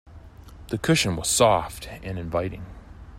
The cushion was soft and inviting.